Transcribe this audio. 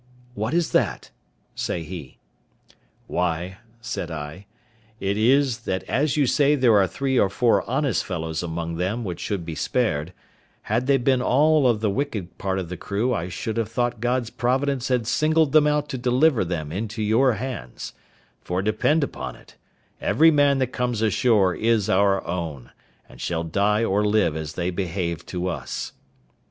"What is that?" say he. "Why," said I, "it is, that as you say there are three or four honest fellows among them which should be spared, had they been all of the wicked part of the crew I should have thought God's providence had singled them out to deliver them into your hands; for depend upon it, every man that comes ashore is our own, and shall die or live as they behave to us."